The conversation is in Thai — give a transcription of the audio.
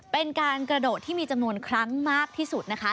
เป็นการกระโดดที่มีจำนวนครั้งมากที่สุดนะคะ